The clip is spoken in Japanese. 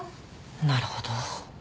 なるほど。